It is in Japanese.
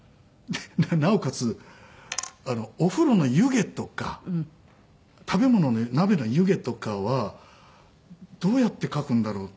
なおかつお風呂の湯気とか食べ物の鍋の湯気とかはどうやって描くんだろうって。